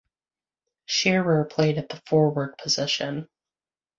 Shearer played at the forward position.